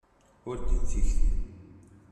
Ur din tikti.